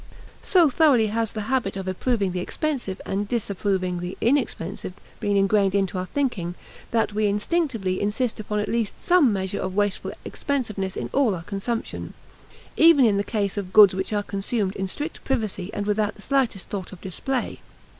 So thoroughly has the habit of approving the expensive and disapproving the inexpensive been ingrained into our thinking that we instinctively insist upon at least some measure of wasteful expensiveness in all our consumption, even in the case of goods which are consumed in strict privacy and without the slightest thought of display.